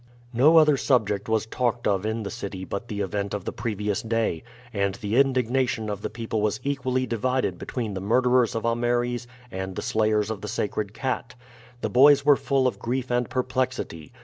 No other subject was talked of in the city but the event of the previous day, and the indignation of the people was equally divided between the murderers of Ameres and the slayers of the sacred cat. The boys were full of grief and perplexity.